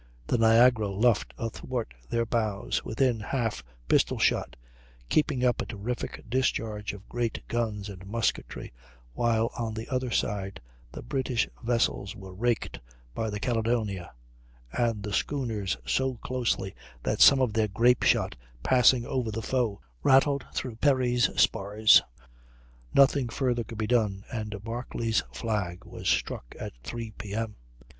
The Niagara luffed athwart their bows, within half pistol shot, keeping up a terrific discharge of great guns and musketry, while on the other side the British vessels were raked by the Caledonia and the schooners so closely that some of their grape shot, passing over the foe, rattled through Perry's spars. Nothing further could be done, and Barclay's flag was struck at 3 P.M.